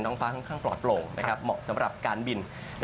ฟ้าค่อนข้างปลอดโปร่งเหมาะสำหรับการบิน